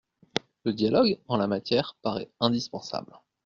Le dialogue, en la matière, paraît indispensable.